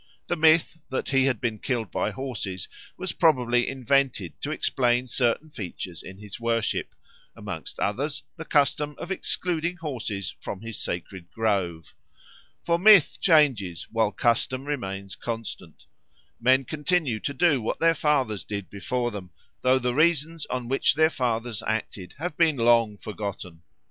The myth that he had been killed by horses was probably invented to explain certain features in his worship, amongst others the custom of excluding horses from his sacred grove. For myth changes while custom remains constant; men continue to do what their fathers did before them, though the reasons on which their fathers acted have been long forgotten.